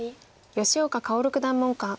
吉岡薫九段門下。